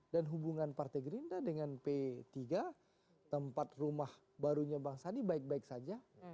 dan hubungan partai gerinda dengan p tiga tempat rumah barunya bang sandi baik baik saja